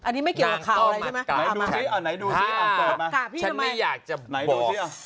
อันนี้ไม่เกี่ยวกับข่าวอะไรใช่ไหม